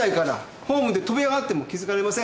ホームで飛び上がっても気づかれません。